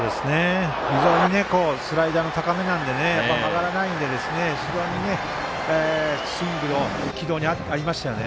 非常にスライダーが高めなので曲がらないので非常にスイングの軌道に合いましたね。